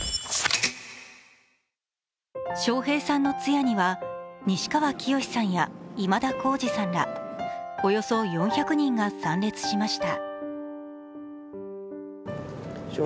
笑瓶さんの通夜には西川きよしさんや今田耕司さんらおよそ４００人が参列しました。